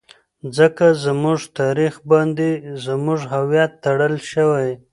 ځکه زموږ تاريخ باندې زموږ هويت ټړل شوى.